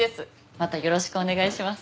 またよろしくお願いします。